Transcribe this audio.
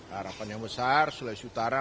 harapan yang besar sulawesi utara